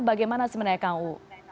bagaimana sebenarnya kang uu